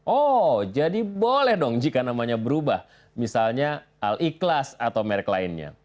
oh jadi boleh dong jika namanya berubah misalnya al ikhlas atau merek lainnya